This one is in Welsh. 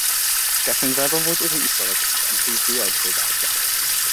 Gallwn feddwl fod yr is-olygydd yn rhy ddiog i'w ddarllen.